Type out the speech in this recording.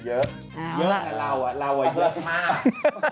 เยอะเยอะเราเราเยอะมาก